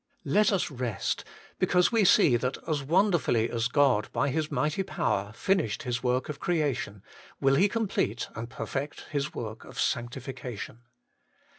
Let us rest, because we see that as wonderfully as God by c 34 HOLY IN CHRIST. His mighty, power finished His work of Creation, will He complete and perfect His work of sanctifi cation.